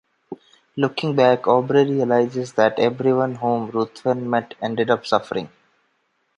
Looking back, Aubrey realizes that everyone whom Ruthven met ended up suffering.